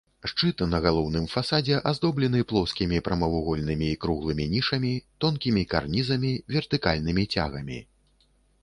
Шчыт на галоўным фасадзе аздоблены плоскімі прамавугольнымі і круглымі нішамі, тонкімі карнізамі, вертыкальнымі цягамі.